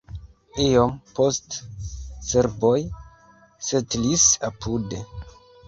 Iom poste serboj setlis apude.